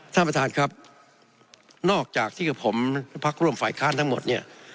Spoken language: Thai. ท่านประธานครับนอกจากที่กับผมพักร่วมฝ่ายค้านทั้งหมดเนี่ย